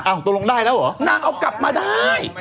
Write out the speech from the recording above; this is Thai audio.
เอาตัวลงได้รึหรอนางเอากลับมาได้